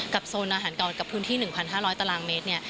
โซนอาหารเก่ากับพื้นที่๑๕๐๐ตารางเมตร